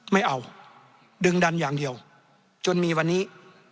ไม่เอาดึงดันอย่างเดียวจนมีวันนี้